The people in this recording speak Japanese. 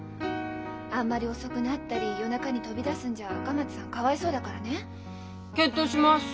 あんまり遅くなったり夜中に飛び出すんじゃ赤松さんかわいそうだからね。検討します！